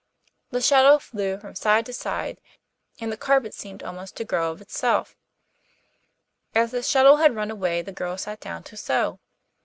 The shuttle flew from side to side and the carpet seemed almost to grow of itself. As the shuttle had run away the girl sat down to sew.